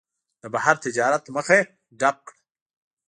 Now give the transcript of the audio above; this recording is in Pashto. د بهر تجارت مخه یې ډپ کړه.